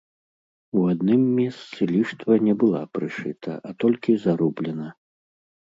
У адным месцы ліштва не была прышыта, а толькі зарублена.